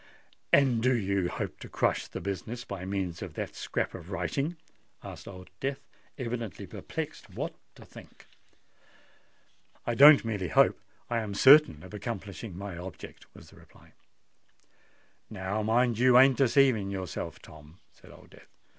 "And do you hope to crush the business by means of that scrap of writing?" asked Old Death, evidently perplexed what to think. "I don't merely hope—I am certain of accomplishing my object," was the reply. "Now mind you ain't deceiving yourself, Tom," said Old Death.